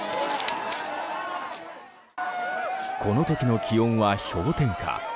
この時の気温は氷点下。